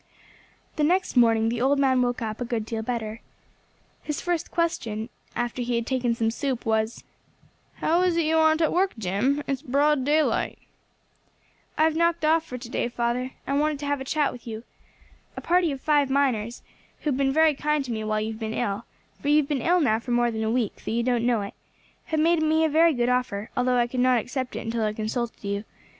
The next morning the old man woke up a good deal better. His first question, after he had taken some soup, was "How is it you aren't at work, Jim? It's broad daylight." "I have knocked off for to day, father, I wanted to have a chat with you. A party of five miners, who have been very kind to me while you have been ill for you have been ill now for more than a week, though you don't know it have made me a very good offer, although I could not accept it until I consulted you.